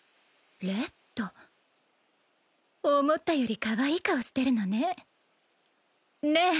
レッド思ったよりかわいい顔してるのねね